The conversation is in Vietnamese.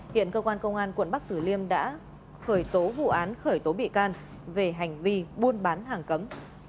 hiện cơ quan công an quận bắc tử liêm đã khởi tố vụ án khởi tố bị can về hành vi buôn bán hàng cấm